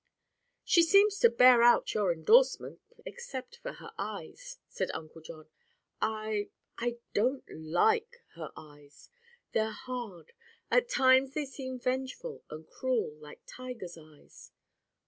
"She seems to bear out your endorsement, except for her eyes," said Uncle John. "I—I don't like—her eyes. They're hard. At times they seem vengeful and cruel, like tigers' eyes."